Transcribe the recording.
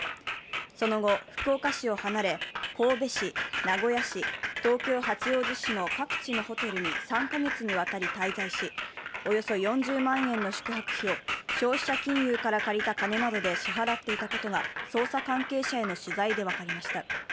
その後、福岡市を離れ、神戸市、名古屋市、東京・八王子市の各地のホテルに３カ月にわたり滞在し、およそ４０万円の宿泊費を消費者金融から借りた金などで支払っていたことが捜査関係者への取材で分かりました。